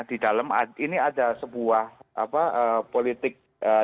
ini ada sebuah politik